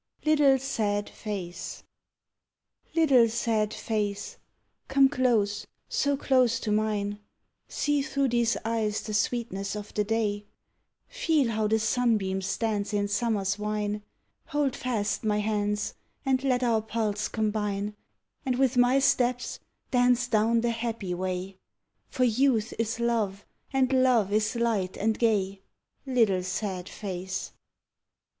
LITTLE SAD FACE Little sad face, come close, so close to mine, See through these eyes the sweetness of the day, Feel how the sunbeams dance in Summer's wine, Hold fast my hands and let our pulse combine And with my steps dance down the happy way; For youth is love and love is light and gay, Little sad face.